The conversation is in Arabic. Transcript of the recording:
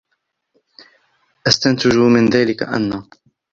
استنتج من ذلك أن....